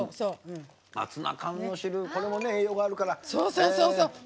ツナ缶の汁も栄養があるから。